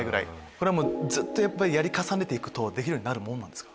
これはもうずっとやっぱりやり重ねて行くとできるようになるもんなんですか。